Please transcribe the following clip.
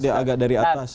dia agak dari atas